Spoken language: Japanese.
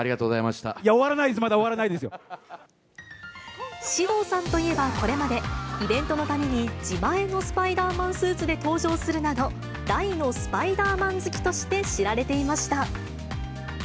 終わらないです、まだ終わら獅童さんといえば、これまで、イベントのたびに自前のスパイダーマンスーツで登場するなど、大のスパイダーマン好きとして知られていました。